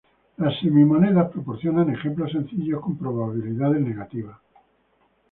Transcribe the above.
Las "semi-monedas" proporcionan ejemplos sencillos con probabilidades negativas.